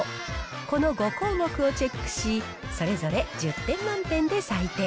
この５項目をチェックし、それぞれ１０点満点で採点。